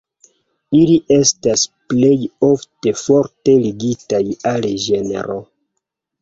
Ili estas plej ofte forte ligitaj al ĝenro.